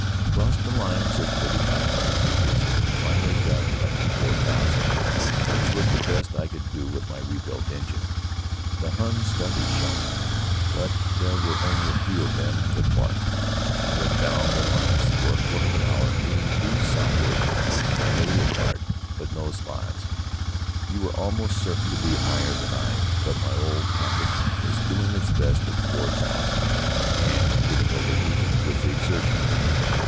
Crossed the lines at thirty five hundred metres, and finally got up to four thousand, which was the best I could do with my rebuilt engine. The Huns started shelling, but there were only a few of them that barked. I went down the lines for a quarter of an hour, meeting two Sopwiths and a Letord, but no Spads. You were almost certain to be higher than I, but my old packet was doing its best at four thousand, and getting overheated with the exertion.